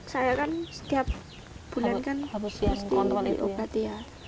saya kan setiap bulan kan harus diobati